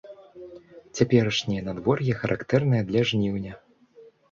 Цяперашняе надвор'е характэрнае для жніўня.